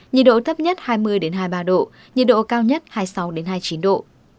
nhiệt độ thấp nhất hai mươi hai mươi ba độ nhiệt độ cao nhất hai mươi sáu hai mươi chín độ